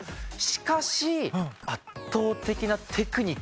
しかし圧倒的なテクニック。